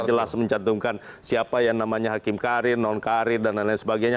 jelas mencantumkan siapa yang namanya hakim karin om karin dan lain sebagainya